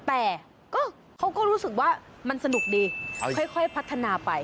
แต่เขาก็รู้สึกว่ามันสนุกดีค่อยพัฒนาไป